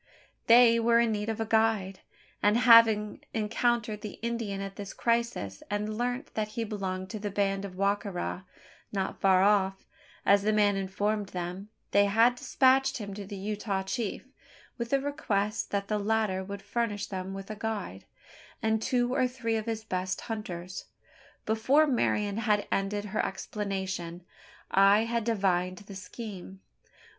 They were in need of a guide; and having encountered the Indian at this crisis, and learnt that he belonged to the band of Wa ka ra not far off, as the man informed them they had despatched him to the Utah chief, with a request that the latter would furnish them with a guide, and two or three of his best hunters. Before Marian had ended her explanation, I had divined the scheme.